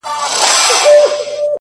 زوی ته په زانګو کي د فرنګ خبري نه کوو؛